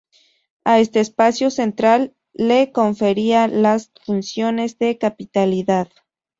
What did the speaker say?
A este espacio central le confería las funciones de capitalidad.